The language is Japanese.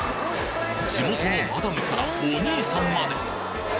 地元のマダムからお兄さんまで！